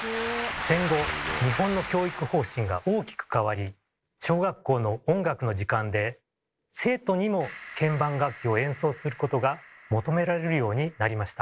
戦後日本の教育方針が大きく変わり小学校の音楽の時間で生徒にも鍵盤楽器を演奏することが求められるようになりました。